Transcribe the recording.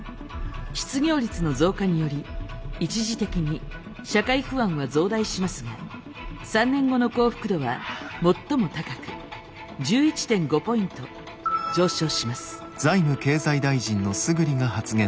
失業率の増加により一時的に社会不安は増大しますが３年後の幸福度は最も高く１１．５ポイント上昇します。